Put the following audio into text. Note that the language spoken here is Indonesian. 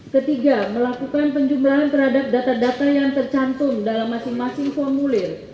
ketiga melakukan penjumlahan terhadap data data yang tercantum dalam masing masing formulir